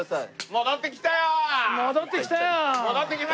戻ってきたよ！